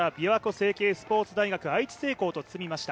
成蹊スポーツ大学愛知製鋼と進みました。